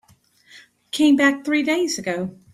Came back three days ago.